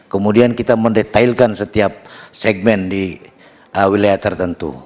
kemudian kita mendetailkan setiap segmen di wilayah tertentu